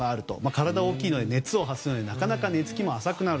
体が大きいので熱を発するので寝つきも浅くなる。